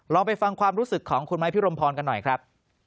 ไปฟังความรู้สึกของคุณไม้พิรมพรกันหน่อยครับ